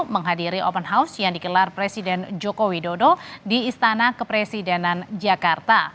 menghadiri open house yang dikelar presiden joko widodo di istana kepresidenan jakarta